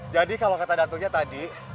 jadi kalau kata datuknya tadi